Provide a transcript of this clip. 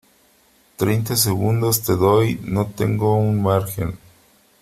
treinta segundos te doy . no tengo margen .